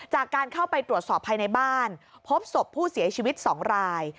จากการเข้าไปตรวจสอบภายในบ้านพบศพผู้เสียชีวิต๒ราย